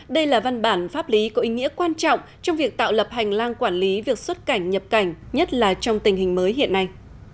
đây là văn bản pháp lý có ý nghĩa quan trọng trong việc tạo lập hành lang quản lý việc xuất cảnh nhập cảnh nhất là trong tình hình mới hiện nay